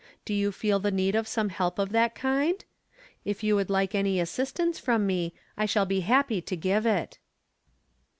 Do you feel the need of some help of that kind ? If you would like any assist ance from me, I shall be happy to give it.